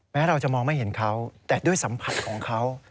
เราจะมองไม่เห็นเขาแต่ด้วยสัมผัสของเขา